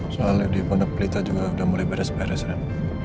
soalnya di pondok pelita juga udah mulai beres beres rem